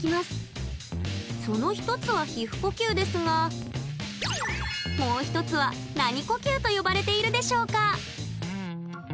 その一つは皮膚呼吸ですがもう一つは何呼吸と呼ばれているでしょうか？